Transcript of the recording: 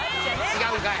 ◆違うんかい。